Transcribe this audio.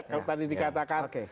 kalau tadi dikatakan